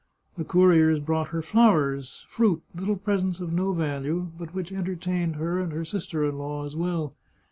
The couriers brought her flowers, fruit, Httle presents of no value, but which entertained her and her sister in law as well.